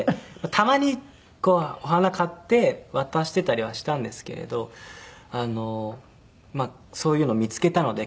たまにお花を買って渡していたりはしたんですけれどそういうのを見つけたので。